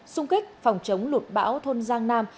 xung kích phòng chống lụt bão thôn giang nam